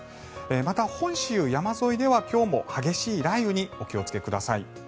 また、本州山沿いでは今日も激しい雷雨にお気をつけください。